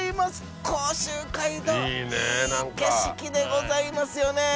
甲州街道いい景色でございますよね。